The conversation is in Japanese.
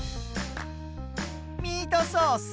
ミートソース。